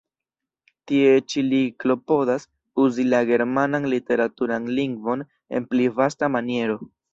Tie ĉi li klopodas uzi la germanan literaturan lingvon en pli vasta maniero.